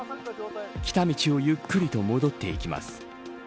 来た道をゆっくりと戻っていきます。